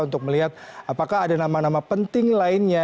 untuk melihat apakah ada nama nama penting lainnya